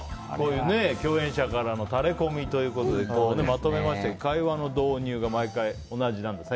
共演者からのタレコミということでまとめましたけど会話の導入が毎回、同じなんですね。